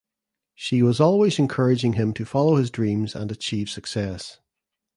She was always encouraging him to follow his dreams and achieve success.